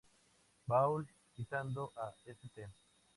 Paul, quitando a St.